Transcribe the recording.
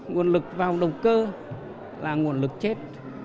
nguồn lực vào động cơ là nguồn lực chết